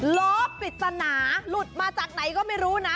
ล้อปริศนาหลุดมาจากไหนก็ไม่รู้นะ